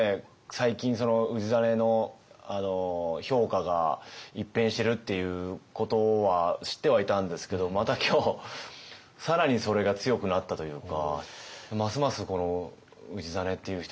最近氏真の評価が一変してるっていうことは知ってはいたんですけどまた今日更にそれが強くなったというか。